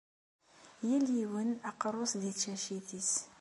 Yal yiwen, aqerru-s di tcacit-is.